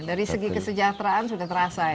dari segi kesejahteraan sudah terasa ya